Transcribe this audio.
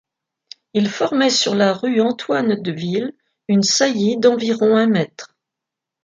Il formait sur la rue Antoine-Deville une saillie d'environ un mètre.